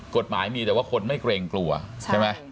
กฎหมายมีแต่ว่าคนไม่เกรงกลัวใช่ไหม